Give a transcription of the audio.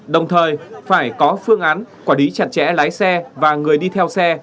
đồng thời phải có phương án quả đí chặt chẽ lái xe và người đi theo xe